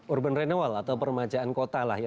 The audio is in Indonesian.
urban renewal atau permajaan kota lah ya